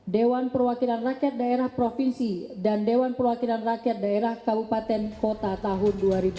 dewan perwakilan rakyat daerah provinsi dan dewan perwakilan rakyat daerah kabupaten kota tahun dua ribu dua puluh